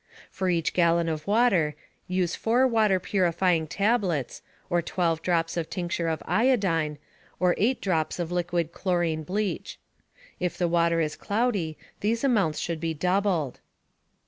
For each gallon of water, use 4 water purifying tablets, or 12 drops of tincture of iodine, or 8 drops of liquid chlorine bleach. If the water is cloudy, these amounts should be doubled.